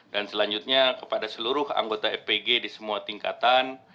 dan selanjutnya kepada seluruh anggota fpg di semua tingkatan